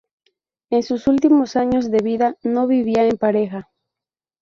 En sus últimos años de vida, no vivía en pareja.